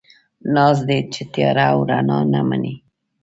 ناز دی، چې تياره او رڼا نه مني